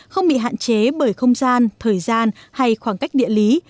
không bị hạn chế bởi không gian thời gian hay khoảng cách địa lý